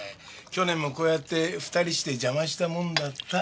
去年もこうやって２人して邪魔したもんだった。